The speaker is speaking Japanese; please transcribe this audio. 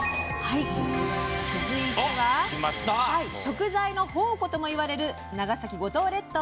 続いては食材の宝庫ともいわれる長崎の五島列島。